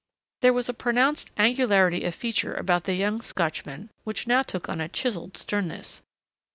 There was a pronounced angularity of feature about the young Scotchman which now took on a chiseled sternness.